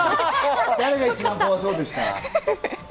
誰が一番怖そうでした？